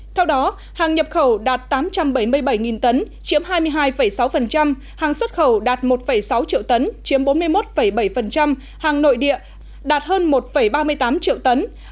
theo đó hàng nhập khẩu đạt tám trăm bảy mươi bảy tấn chiếm hai mươi hai sáu hàng xuất khẩu đạt một sáu triệu tấn chiếm bốn mươi một bảy hàng nội địa đạt hơn một ba mươi tám triệu tấn